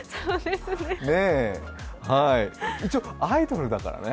一応アイドルだからね。